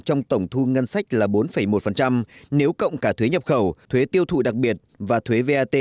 trong tổng thu ngân sách là bốn một nếu cộng cả thuế nhập khẩu thuế tiêu thụ đặc biệt và thuế vat